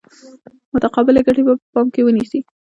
متقابلې ګټې به په پام کې ونیسي.